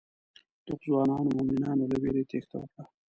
دغو ځوانو مومنانو له وېرې تېښته وکړه.